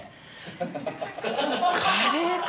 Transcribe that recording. カレーか！